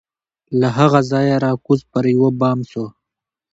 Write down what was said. له هغه ځایه را کوز پر یوه بام سو